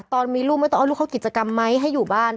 ตอนมีลูกไม่ต้องเอาลูกเข้ากิจกรรมไหมให้อยู่บ้าน